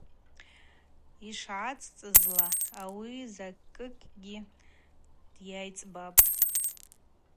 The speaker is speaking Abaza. Йшгӏацӏцӏызла, ауи Закигьи дйайцӏбапӏ.